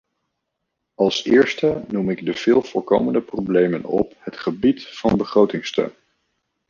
Als eerste noem ik de veel voorkomende problemen op het gebied van begrotingssteun.